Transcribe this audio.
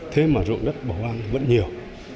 thế mà rụng đất bỏ hoang vẫn nhiều